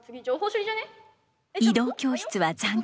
移動教室は残酷。